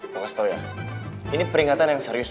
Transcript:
lo kasih tau ya ini peringatan yang serius